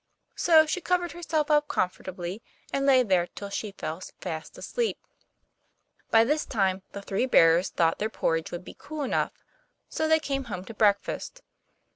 So she covered herself up comfortably, and lay there till she fell fast asleep. By this time the three bears thought their porridge would be cool enough; so they came home to breakfast.